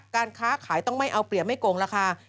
การค้าขายต้องไม่เอาเปรียบไม่โกงราคา